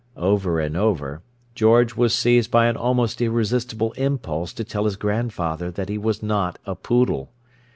over and over, George was seized by an almost irresistible impulse to tell his grandfather that he was not a poodle.